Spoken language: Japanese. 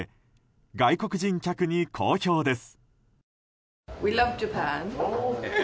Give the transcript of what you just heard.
外国人客に好評です。